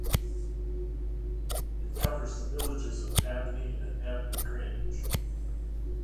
It covers the villages of Abney and Abney Grange.